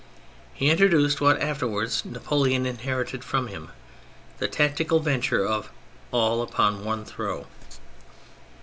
He introduced what afterwards Napoleon inherited from him, the tactical venture of " all upon one throw."